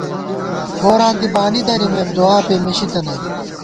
گوراں دی بانی درِمېم دُعا پېمېشی تنئیم